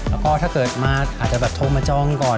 แล้วก็ถ้าเกิดมาอาจจะแบบโทรมาจองก่อน